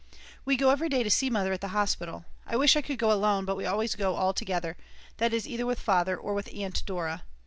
We go every day to see Mother at the hospital; I wish I could go alone, but we always go all together, that is either with Father or with Aunt Dora.